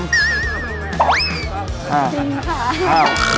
จริงค่ะ